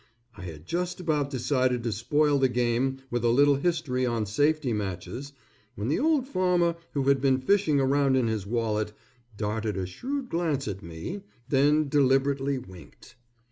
I had just about decided to spoil the game with a little history on safety matches, when the old farmer who had been fishing around in his wallet, darted a shrewd glance at me, then deliberately winked.